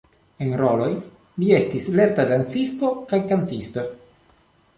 En roloj li estis lerta dancisto kaj kantisto.